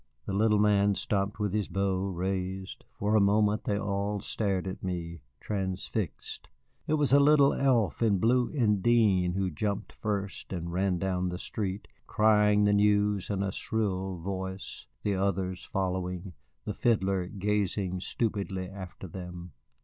The little man stopped with his bow raised; for a moment they all stared at me, transfixed. It was a little elf in blue indienne who jumped first and ran down the street, crying the news in a shrill voice, the others following, the fiddler gazing stupidly after them.